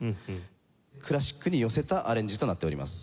クラシックに寄せたアレンジとなっております。